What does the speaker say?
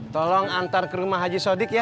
tolong antar ke rumah haji sodik ya